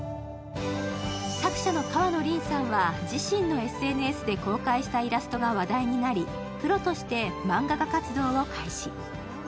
作者の川野倫さんは自身のＳＮＳで公開したイラストが話題になりプロとしてマンガ家活動を開始。